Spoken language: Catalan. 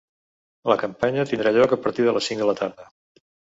La campanya tindrà lloc a partir de les cinc de la tarda.